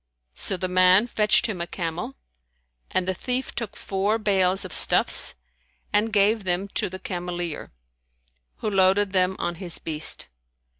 So the man fetched him a camel, and the thief took four bales[FN#157] of stuffs and gave them to the cameleer, who loaded them on his beast.